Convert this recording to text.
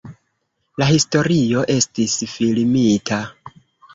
La historio estis filmita.